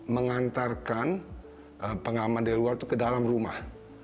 mengantarkan pengaman dari luar itu ke dalam rumah